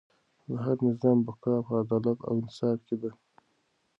د هر نظام بقا په عدالت او انصاف کې ده.